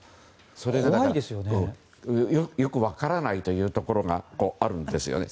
それが、よく分からないというところがあるんですよね。